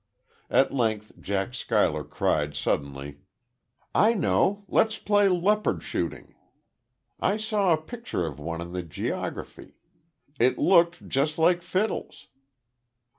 At length Jack Schuyler cried suddenly: "I know! Let's play leopard shooting! I saw a picture of one in the geography. It looked just like Fiddles."